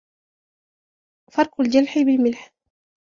فرك الجرح بالملح.